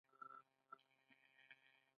په بس کې کېناستو او شیطانانو پسې ورغلو.